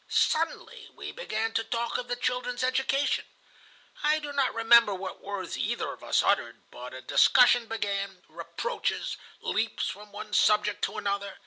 Suddenly we began to talk of the children's education. I do not remember what words either of us uttered, but a discussion began, reproaches, leaps from one subject to another.